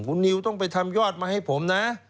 คุณนิวต้องไปทำยอดมาให้ผมนะ